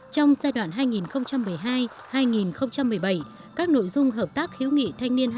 trong giai đoạn hai nghìn một mươi hai hai nghìn một mươi bảy các nội dung hợp tác hiếu nghị thanh niên hai nghìn một mươi bảy